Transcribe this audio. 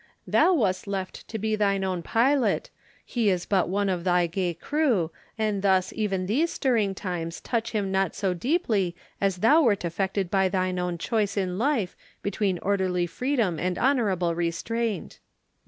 "Thou wast left to be thine own pilot; he is but one of thy gay crew, and thus even these stirring times touch him not so deeply as thou wert affected by thine own choice in life between disorderly freedom and honourable restraint."